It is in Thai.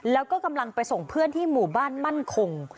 แล้วก็กำลังไปส่งเพื่อนที่หมู่บ้านมั่นคง